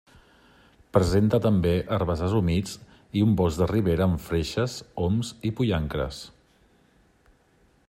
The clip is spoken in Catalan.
Presenta també herbassars humits i un bosc de ribera amb freixes, oms i pollancres.